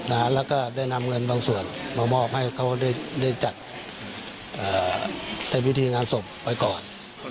แล้วก็ได้นำเงินบางส่วนมามอบให้เขาได้จัดในพิธีงานศพไปก่อน